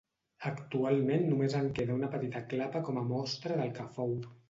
Actualment només en queda una petita clapa com a mostra del que fou.